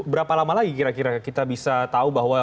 berapa lama lagi kira kira kita bisa tahu bahwa